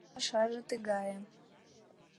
Вес пашаже тыгае.